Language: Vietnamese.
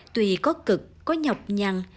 tùy có cực có nhọc nhằn